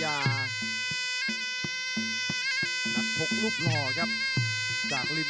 และแพ้๒๐ไฟ